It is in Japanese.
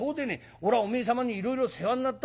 おらおめえ様にいろいろ世話になったでね。